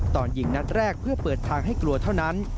ตอนยิงนัดแรกเพื่อเปิดทางให้กลัวเท่านั้น